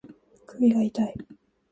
首が痛い